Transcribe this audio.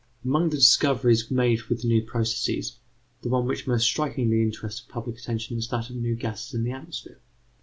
Among the discoveries made with the new processes, the one which most strikingly interested public attention is that of new gases in the atmosphere.